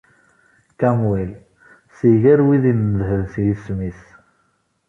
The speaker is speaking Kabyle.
Camwil, si gar wid inedhen s yisem-is.